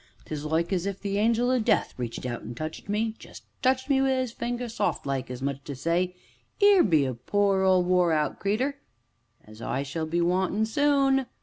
'Tis like as if the Angel o' Death reached out an' touched me just touched me wi' 'is finger, soft like, as much as to say: ''Ere be a poor, old, wore out creeter as I shall be wantin' soon.'